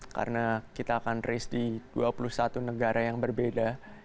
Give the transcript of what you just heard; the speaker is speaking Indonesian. karena kita akan berkembang di dua puluh satu negara yang berbeda